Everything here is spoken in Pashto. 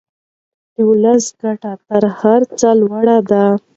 د ولس ګټې تر هر څه لوړې دي.